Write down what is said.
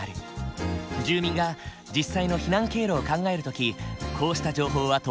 住民が実際の避難経路を考える時こうした情報はとても大切だ。